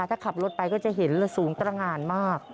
ถ้าขับรถไปก็จะเห็นสูงตรงานมาก